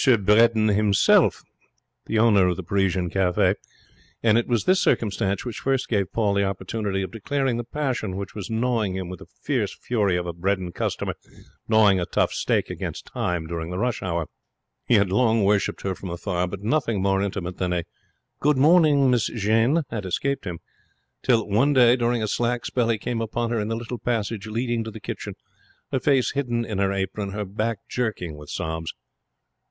Bredin himself, the owner of the Parisian Cafe; and it was this circumstance which first gave Paul the opportunity of declaring the passion which was gnawing him with the fierce fury of a Bredin customer gnawing a tough steak against time during the rush hour. He had long worshipped her from afar, but nothing more intimate than a 'Good morning, Miss Jeanne', had escaped him, till one day during a slack spell he came upon her in the little passage leading to the kitchen, her face hidden in her apron, her back jerking with sobs.